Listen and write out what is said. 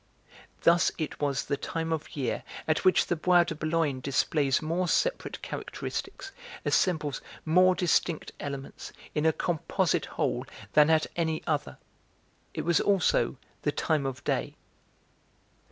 Thus it was the time of year at which the Bois de Boulogne displays more separate characteristics, assembles more distinct elements in a composite whole than at any other. It was also the time of day.